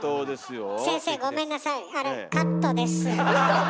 先生ごめんなさい。